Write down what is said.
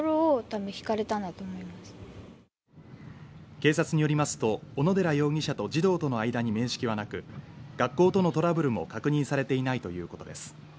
警察によりますと、小野寺容疑者と児童との間に面識はなく、学校とのトラブルも確認されていないということです。